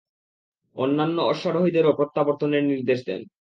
অন্যান্য অশ্বারোহীদেরও প্রত্যাবর্তনের নির্দেশ দেন।